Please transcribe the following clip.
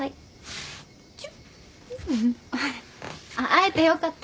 会えてよかった。